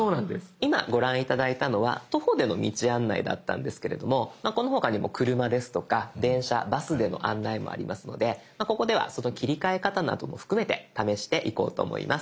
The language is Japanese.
今ご覧頂いたのは徒歩での道案内だったんですけれどもこの他にも車ですとか電車バスでの案内もありますのでここではその切り替え方なども含めて試していこうと思います。